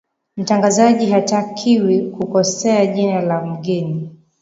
mtangazaji hatakiwi kukosea jina la mgeni